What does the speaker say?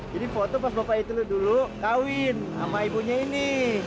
jadi foto pas bapaknya itu dulu kawin sama ibunya ini